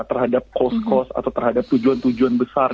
terhadap kos kos atau terhadap tujuan tujuan besar